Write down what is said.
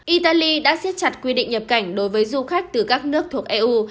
italy đã siết chặt quy định nhập cảnh đối với du khách từ các nước thuộc eu